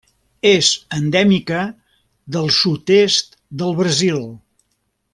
És endèmica del sud-est del Brasil.